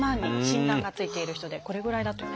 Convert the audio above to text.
診断がついている人でこれぐらいだと。